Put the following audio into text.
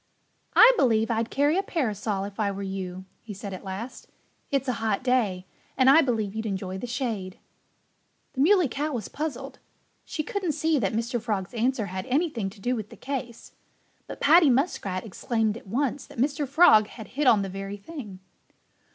"I believe I'd carry a parasol if I were you," he said at last. "It's a hot day and I believe you'd enjoy the shade." The Muley Cow was puzzled. She couldn't see that Mr. Frog's answer had anything to do with the case. But Paddy Muskrat exclaimed at once that Mr. Frog had hit on the very thing.